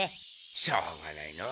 しょうがないのう。